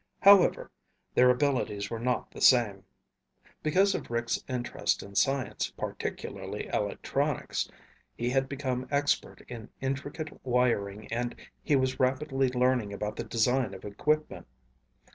However, their abilities were not the same. Because of Rick's interest in science, particularly electronics, he had become expert in intricate wiring and he was rapidly learning about the design of equipment.